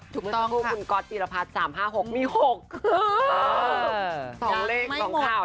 ถูกต้องค่ะเพราะว่าคุณก๊อตจีรพรรดิ๓๕๖มี๖ค่ะเออ